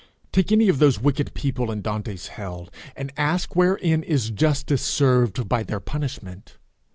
Take any of those wicked people in Dante's hell, and ask wherein is justice served by their punishment.